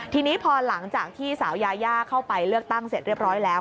ทีนี้พอหลังจากที่สาวยายาเข้าไปเลือกตั้งเสร็จเรียบร้อยแล้ว